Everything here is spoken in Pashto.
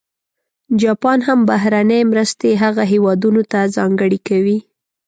جاپان هم بهرنۍ مرستې هغه هېوادونه ته ځانګړې کوي.